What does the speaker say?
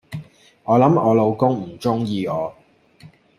我諗我老公唔鍾意我